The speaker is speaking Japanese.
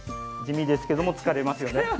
地味ですけども疲れますよね。